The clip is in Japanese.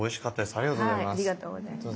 ありがとうございます。